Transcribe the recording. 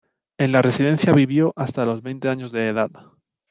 En la residencia vivió hasta los veinte años de edad.